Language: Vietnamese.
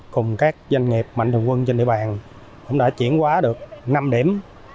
cùng các doanh nghiệp mạnh thường quân trên địa bàn cũng đã triển hóa được năm điểm